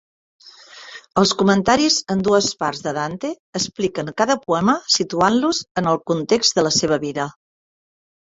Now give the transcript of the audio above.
Els comentaris en dues parts de Dante expliquen cada poema situant-los en el context de la seva vida.